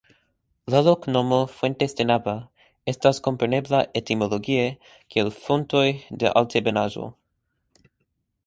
La loknomo "Fuentes de Nava" estas komprenebla etimologie kiel Fontoj de Altebenaĵo.